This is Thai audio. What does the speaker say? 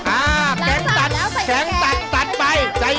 อ่าแข็งตัดแข็งตัดตัดไป